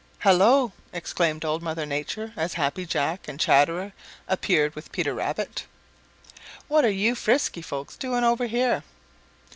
"Hello!" exclaimed Old Mother Nature, as Happy Jack and Chatterer appeared with Peter Rabbit. "What are you frisky folks doing over here?"